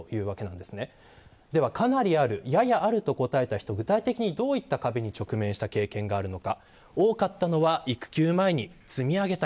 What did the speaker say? では、かなりあるややあると答えた人具体的に、どういった壁に直面した経験があるのか。